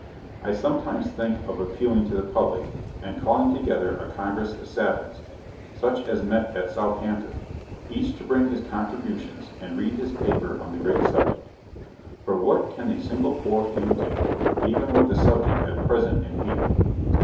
I sometimes think of appealing to the public, and calling together a congress of SAVANS, such as met at Southampton each to bring his contributions and read his paper on the Great Subject. For what can a single poor few do, even with the subject at present in hand?